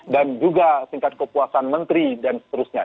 dan juga tingkat kepuasan menteri dan seterusnya